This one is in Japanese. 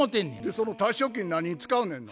その退職金何に使うねんな？